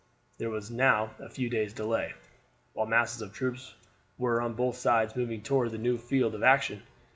There was now a few days' delay, while masses of troops were on both sides moving toward the new field of action.